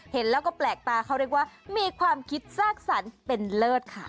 เห็นแล้วก็แปลกตาเขาเรียกว่ามีความคิดสร้างสรรค์เป็นเลิศค่ะ